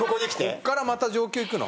こっからまた上級いくの？